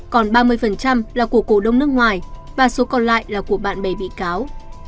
còn ba mươi là của cổ đông nước ngoài và số còn lại là của bạn bè bị cáo